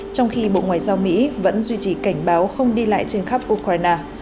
trong khi bộ ngoại giao mỹ vẫn duy trì cảnh báo không đi lại trên khắp ukraine